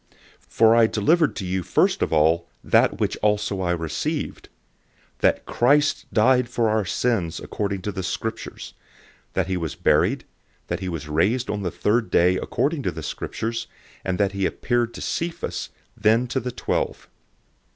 015:003 For I delivered to you first of all that which I also received: that Christ died for our sins according to the Scriptures, 015:004 that he was buried, that he was raised on the third day according to the Scriptures, 015:005 and that he appeared to Cephas, then to the twelve.